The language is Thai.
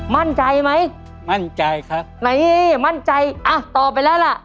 มั่นใจไหมมั่นใจครับไหนมั่นใจอ่ะตอบไปแล้วล่ะ